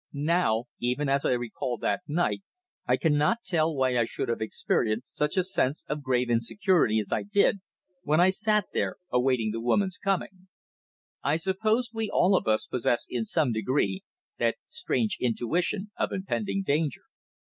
Now, even as I recall that night, I cannot tell why I should have experienced such a sense of grave insecurity as I did when I sat there awaiting the woman's coming. I suppose we all of us possess in some degree that strange intuition of impending danger.